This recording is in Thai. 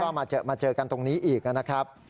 ก็มาเจอกันตรงนี้อีกนะครับ